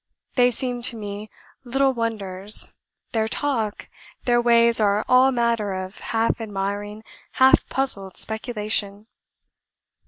They seem to me little wonders; their talk, their ways are all matter of half admiring, half puzzled speculation."